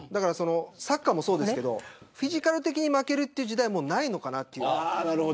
サッカーもそうですけどフィジカル的に負けるという時代はもうないのかなと。